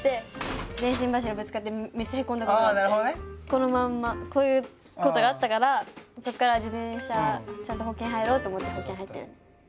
このまんまこういうことがあったからそこから自転車ちゃんと保険入ろうと思って保険入ってる。